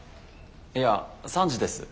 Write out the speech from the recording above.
いや３時です。